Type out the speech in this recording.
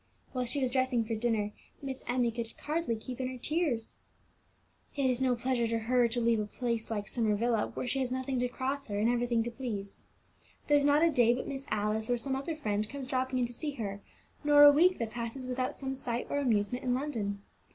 While she was dressing for dinner, Miss Emmie could hardly keep in her tears. It is no pleasure to her to leave a home like Summer Villa, where she has nothing to cross her, and everything to please. There's not a day but Miss Alice, or some other friend, comes dropping in to see her; nor a week that passes without some sight or amusement in London.